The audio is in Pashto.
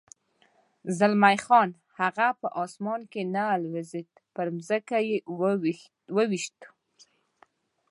زلمی خان: هغه په اسمان کې نه الوزېد، پر ځمکه دې و وېشت.